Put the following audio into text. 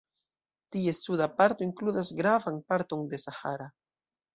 Ties suda parto inkludas gravan parton de Sahara.